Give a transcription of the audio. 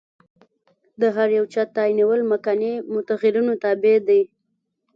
د هر یوه چت تعینول مکاني متغیرونو تابع دي.